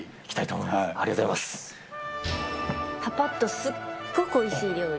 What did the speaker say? ぱぱっとすっごくおいしい料理。